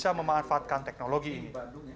bisa memanfaatkan teknologi ini